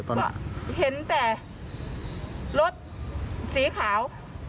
ก็เห็นแต่รถสีขาว